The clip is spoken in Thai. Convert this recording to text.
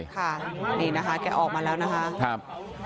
ค่ะนี่นะคะแกออกมาแล้วนะคะ